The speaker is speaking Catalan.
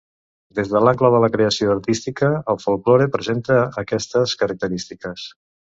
Des de l’angle de la creació artística, el folklore presenta aquestes característiques.